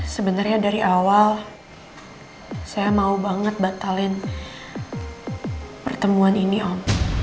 sebenarnya dari awal saya mau banget batalin pertemuan ini om